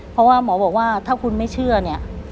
เพราะว่าหมอบอกว่าถ้าคุณไม่เชื่อเนี่ย